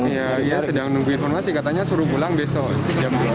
iya sedang menunggu informasi katanya suruh pulang besok jam dua